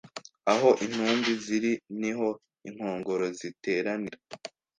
Aho intumbi ziri niho inkongoro ziteranira